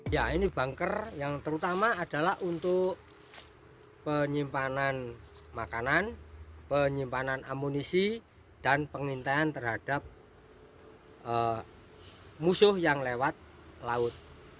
ya ini bunker yang terutama adalah untuk penyimpanan makanan penyimpanan amunisi dan pengintaian terhadap musuh yang lewat laut